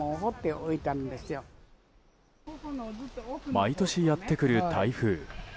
毎年やって来る台風。